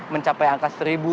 mencapai angka satu dua ratus